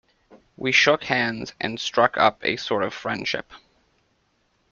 We shook hands and struck up a sort of friendship.